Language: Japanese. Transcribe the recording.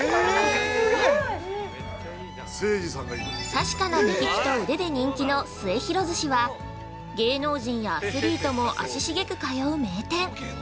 ◆確かな目利きと腕で人気の末廣鮨は、芸能人やアスリートも足繁く通う名店。